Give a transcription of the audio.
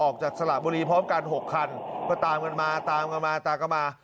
สละบุรีพร้อมกัน๖คันก็ตามกันมาตามกันมาตามกันมา